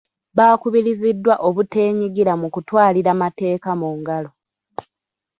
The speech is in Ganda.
Baakubiriziddwa obuteenyigira mu kutwalira mateeka mu ngalo.